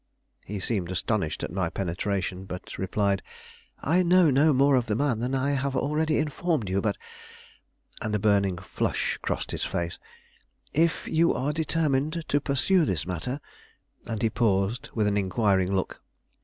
He seemed astonished at my penetration, but replied: "I know no more of the man than I have already informed you; but" and a burning flush crossed his face, "if you are determined to pursue this matter " and he paused, with an inquiring look.